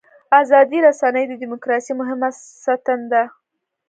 ازادې رسنۍ د دیموکراسۍ مهمه ستن ده.